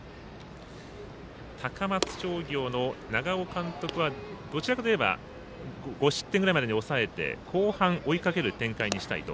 商業の長尾監督はどちらかといえば５失点ぐらいまでに抑えて後半追いかける展開にしたいと。